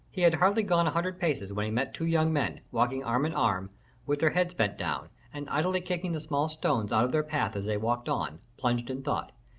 He had hardly gone a hundred paces when he met two young men, walking arm in arm, with their heads bent down, and idly kicking the small stones out of their path as they walked on, plunged in thought.